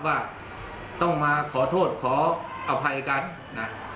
ว่าต้องมาขอโทษขออภัยกันนะ